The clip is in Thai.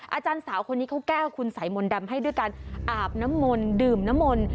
อาจารย์สาวคนนี้เขาแก้วคุณสายมนต์ดำให้ด้วยการอาบน้ำมนต์ดื่มน้ำมนต์